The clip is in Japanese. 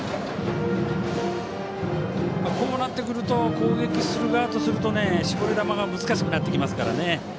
こうなってくると攻撃する側からすると絞り球が難しくなってきますからね。